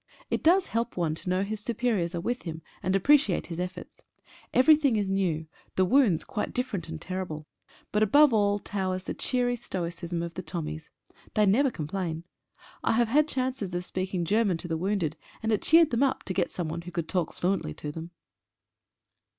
It does help one to know his superiors are with him, and appreciate his efforts. Everything is new, the wounds quite different and terrible, but above all towers the cheery stoicism of the Tommies. They never complain. I have had chances of speaking Ger man to the wounded, and it cheered them up, to get someone who could talk fluently to them.